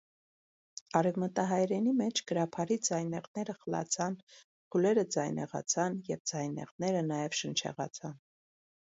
Արեւմտահայերէնի մէջ գրաբարի ձայնեղները խլացան, խուլերը ձայնեղացան եւ ձայնեղները նաեւ շնչեղացան։